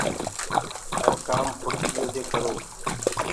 هر ڪآم ڦُڙتيو دي ڪرو۔